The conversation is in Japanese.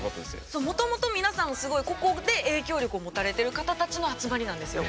そうもともと皆さんすごい個々で影響力を持たれてる方たちの集まりなんですよ。